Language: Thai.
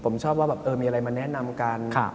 ผมชอบว่าแบบมีอะไรมาแนะนำกัน